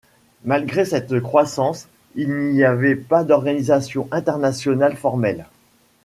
Malgré cette croissance, il n'y avait pas d'organisation internationale formelle.